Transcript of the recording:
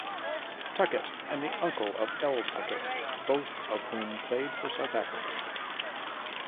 Tuckett and the uncle of L. Tuckett both of whom played for South Africa.